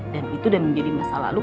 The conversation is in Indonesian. dan itu udah menjadi masa lalu